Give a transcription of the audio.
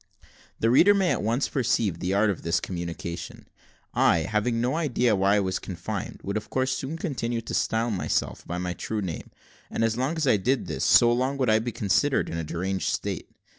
The reader may at once perceive the art of this communication: I, having no idea why I was confined, would of course continue to style myself by my true name; and as long as I did this, so long would I be considered in a deranged state.